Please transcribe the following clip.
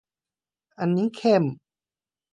อันนี้เข้ม